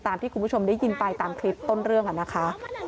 ที่คุณผู้ชมได้ยินไปตามคลิปต้นเรื่องนะคะ